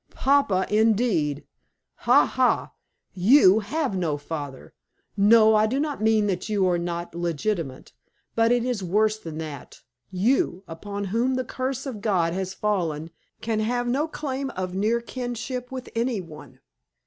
"Papa, indeed! Ha! ha! You have no father. No, I do not mean that you are not legitimate, but it is worse than that. You, upon whom the curse of God has fallen, can have no claim of near kinship with any one.